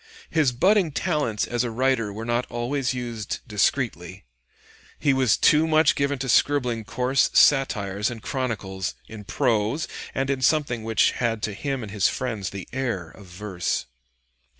His budding talents as a writer were not always used discreetly. He was too much given to scribbling coarse satires and chronicles, in prose, and in something which had to him and his friends the air of verse.